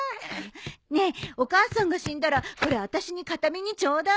ねえお母さんが死んだらこれあたしに形見にちょうだい。